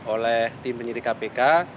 oleh tim penyidik kpk